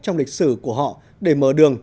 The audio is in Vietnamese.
trong lịch sử của họ để mở đường